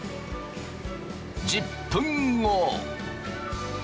１０分後。